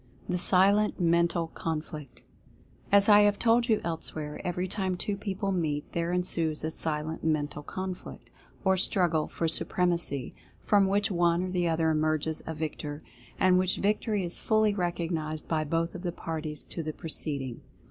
THE SILENT MENTAL CONFLICT. As I have told you elsewhere, every time two people meet there ensues a silent mental conflict, or struggle for supremacy, from which one or the other emerges a victor, and which victory is fully recognized by both of the parties to the proceeding.